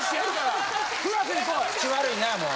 口悪いなもう。